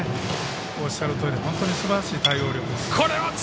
おっしゃるとおり本当にすばらしい対応力です。